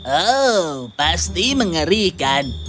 oh pasti mengerikan